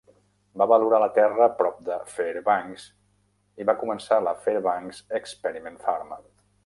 Va valorar la terra prop de Fairbanks i va començar la Fairbanks Experiment Farm.